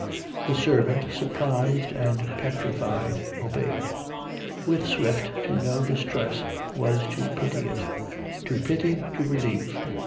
The servant, surprised and petrified, obeyed. With Swift, to know distress was to pity it; to pity to relieve.